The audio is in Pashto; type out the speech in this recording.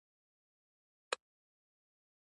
د میرمنو کار او تعلیم مهم دی ځکه چې ماشوم کار مخنیوی کوي.